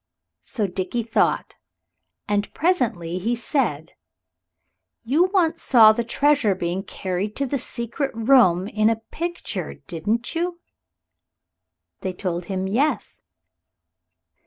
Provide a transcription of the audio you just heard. So Dickie thought. And presently he said "You once saw the treasure being carried to the secret room in a picture, didn't you?" They told him yes.